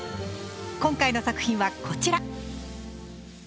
今回の作品はこちら！